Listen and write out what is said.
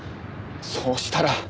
そうしたら。